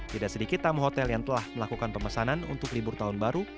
tidak sedikit tamu hotel yang telah melakukan pemesanan untuk libur tahun baru